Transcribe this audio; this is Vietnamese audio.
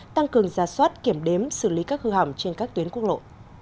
tăng cường ra soát kiểm đếm xử lý các hư hỏng trên các tuyến quốc lộ